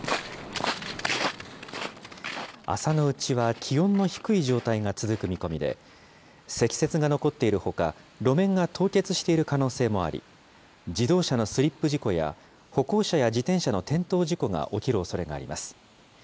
朝のうちは気温の低い状態が続く見込みで、積雪が残っているほか、路面が凍結している可能性もあり、自動車のスリップ事故や歩行者や自転車の転倒事故が起きるおそれがあります。